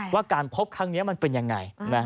ว่าการพบครั้งนี้มันเป็นยังไง